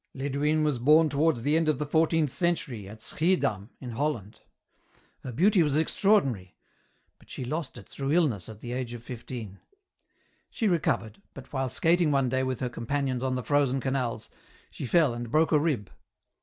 " Lidwine was born towards the end of the fourteenth cen tury, at Schiedam, in Holland. Her beauty was extraordinary, but she lost it through illness at the age of fifteen. She recovered, but while skating one day with her companions on the frozen canals, she fell and broke a rib.